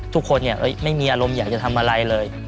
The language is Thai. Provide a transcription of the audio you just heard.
ทุกคนไม่มีอารมณ์อยากจะทำอะไรเลย